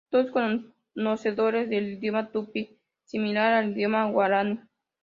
Todos conocedores del idioma tupí, similar al idioma guaraní.